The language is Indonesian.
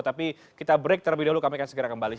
tapi kita break terlebih dahulu kami akan segera kembali